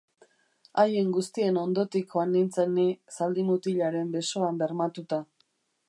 Haien guztien ondotik joan nintzen ni, zaldi-mutilaren besoan bermatuta.